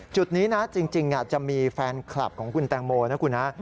จุดนี้นะจริงจะมีแฟนคลับของคุณแตงโมนะคุณฮะ